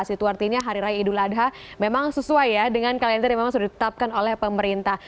itu artinya hari raya idul adha memang sesuai ya dengan kalender yang memang sudah ditetapkan oleh pemerintah